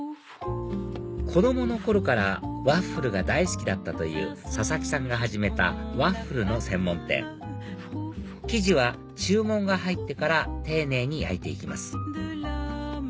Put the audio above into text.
子供の頃からワッフルが大好きだったという佐々木さんが始めたワッフルの専門店生地は注文が入ってから丁寧に焼いて行きます